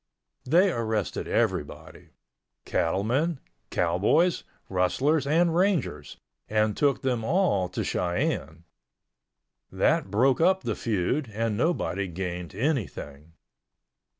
They arrested everybody—cattlemen, cowboys, rustlers and Rangers, and took them all to Cheyenne. That broke up the feud and nobody gained anything.